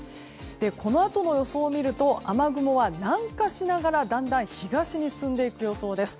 このあとの予想を見ると雨雲は南下しながらだんだん東に進んでいく予想です。